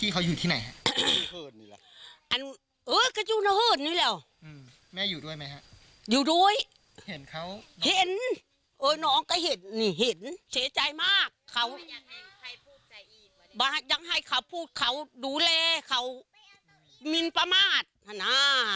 ยังให้เขาพูดเขาดูแลเขามินประมาทธนา